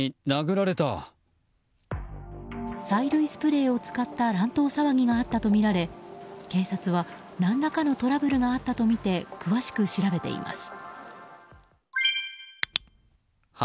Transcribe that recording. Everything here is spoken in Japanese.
催涙スプレーを使った乱闘騒ぎがあったとみられ警察は何らかのトラブルがあったとみて詳しく調べています。